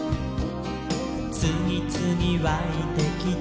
「つぎつぎわいてきて」